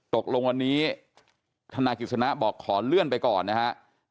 ตกลงวันนี้ธนายกิจสนะบอกขอเลื่อนไปก่อนนะฮะ